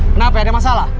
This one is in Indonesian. kenapa ada masalah